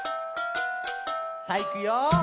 さあいくよ。